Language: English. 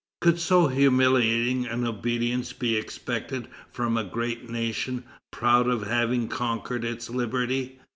Could so humiliating an obedience be expected from a great nation, proud of having conquered its liberty?